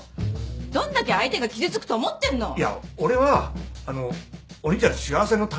どんだけ相手が傷つくと思ってんの⁉いや俺はあのお兄ちゃんの幸せのためにね。